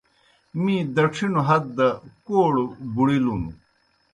می دڇِھنوْ ہت دہ کوڑوْ بُڑِلُن۔